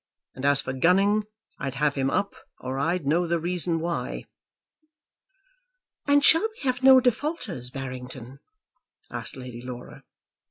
And as for Gunning, I'd have him up or I'd know the reason why." "And shall we have no defaulters, Barrington?" asked Lady Laura.